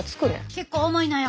結構重いのよ